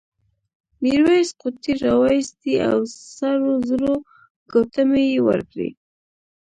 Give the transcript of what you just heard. میرويس قوطۍ راوایستې او سرو زرو ګوتمۍ یې ورکړې.